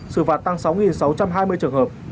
xử phạt tăng sáu sáu trăm hai mươi trường hợp